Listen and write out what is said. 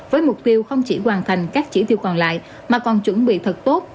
với mục tiêu không chỉ hoàn thành các chỉ tiêu còn lại mà còn chuẩn bị thật tốt